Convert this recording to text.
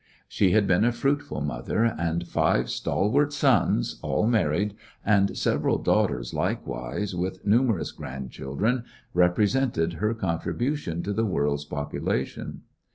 She had been a fruitful mother, and five stalwart sons, all married, and several daughters likewise, with numerous grandchildren, represented her con tribution to the world's population.